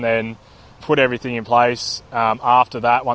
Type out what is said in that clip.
dan kemudian membuat semuanya di tempat